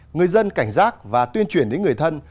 người dân cảnh giác và tuyên truyền đến người thân